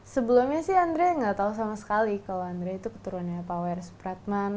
sebelumnya sih andre nggak tahu sama sekali kalau andrea itu keturunannya pak wer supratman